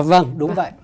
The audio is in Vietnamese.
vâng đúng vậy